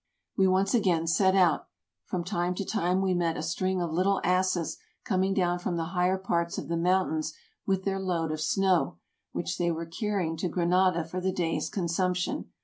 We once again set out. From time to time we met a string of little asses coming down from the higher parts of the mountains with their load of snow, which they were car rying to Granada for the day's consumption.